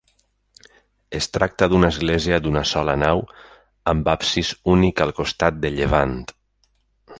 Es tracta d'una església d'una sola nau, amb absis únic al costat de llevant.